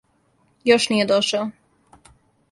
Још није дошао.